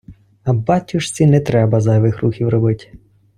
А батюшці не треба зайвих рухів робить.